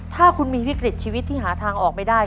ถ้าคุณมีวิกฤตชีวิตที่หาทางออกไม่ได้